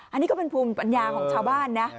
อันนี้ก็เป็นภูมิปัญญาของชาวบ้านนะ